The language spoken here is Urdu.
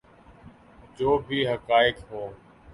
جو بھی حقائق ہوں۔